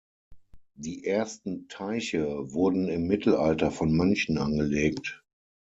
Die ersten Teiche wurden im Mittelalter von Mönchen angelegt.